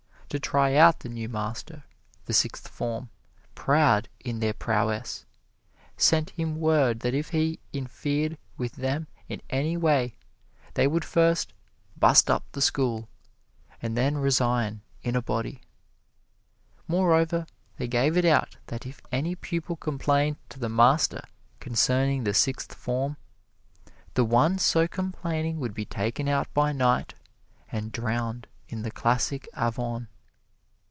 To try out the new master, the Sixth Form, proud in their prowess, sent him word that if he interfered with them in any way, they would first "bust up the school," and then resign in a body. Moreover, they gave it out that if any pupil complained to the master concerning the Sixth Form, the one so complaining would be taken out by night and drowned in the classic Avon.